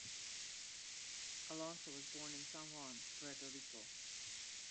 Alonso was born in San Juan, Puerto Rico.